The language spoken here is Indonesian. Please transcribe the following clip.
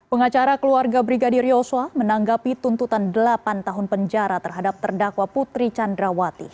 pengacara keluarga brigadir yosua menanggapi tuntutan delapan tahun penjara terhadap terdakwa putri candrawati